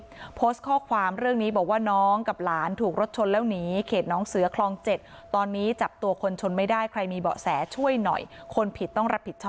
บริโดสข้อความเรื่องนี้บอกว่าน้องกับหลานถูกรถชนแล้วหนี